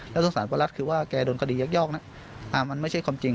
แล้วสงสารประรัฐคือว่าแกโดนคดียักยอกมันไม่ใช่ความจริง